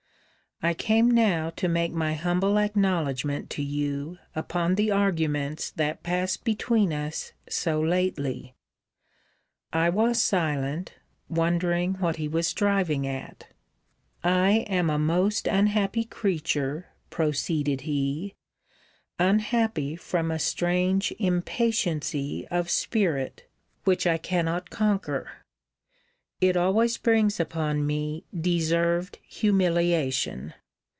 I came now to make my humble acknowledgement to you upon the arguments that passed between us so lately. I was silent, wondering what he was driving at. I am a most unhappy creature, proceeded he: unhappy from a strange impatiency of spirit, which I cannot conquer. It always brings upon me deserved humiliation.